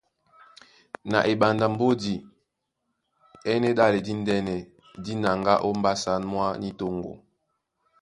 Na eɓanda a mbódi é ɛ́nɛ́ ɗále díndɛ́nɛ dí naŋgá ó mbásǎn mwá ní toŋgo.